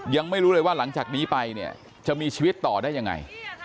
ยังไม่รู้เลยว่าหลังจากนี้ไปเนี่ยจะมีชีวิตต่อได้ยังไง